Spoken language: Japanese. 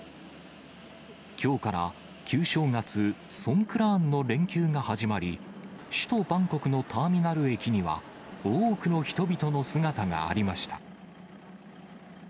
きょうから旧正月・ソンクラーンの連休が始まり、首都バンコクのターミナル駅には多くの人々の姿がありました。